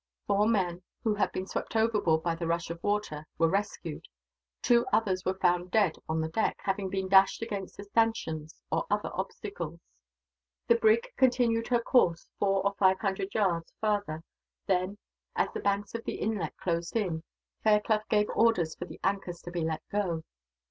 Four men, who had been swept overboard by the rush of water, were rescued; two others were found dead on the deck, having been dashed against the stanchions, or other obstacles. The brig continued her course, four or five hundred yards farther then, as the banks of the inlet closed in, Fairclough gave orders for the anchors to be let go.